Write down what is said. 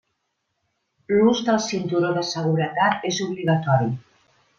L'ús del cinturó de seguretat és obligatori.